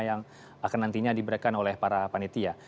yang akan nantinya diberikan oleh para panitia